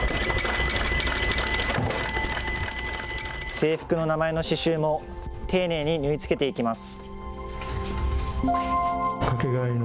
制服の名前の刺しゅうも丁寧に縫い付けていきます。